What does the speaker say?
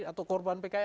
atau korban pki